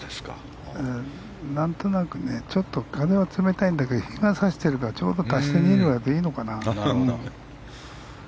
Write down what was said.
何となく、ちょっと風は冷たいんだけど日が差してるからちょうど足して２で割ればいいのかなと。